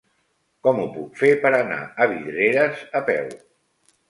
Com ho puc fer per anar a Vidreres a peu?